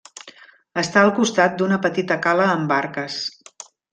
Està al costat d'una petita cala amb barques.